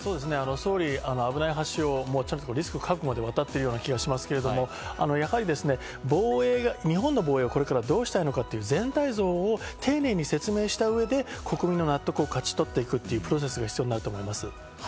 総理、危ない橋をリスク覚悟で渡っている気がしますけど、やはり、日本の防衛をこれからどうしたいのかという全体像を丁寧に説明した上で、国民の納得を勝ち取っていくというプロセスが必要になると思います。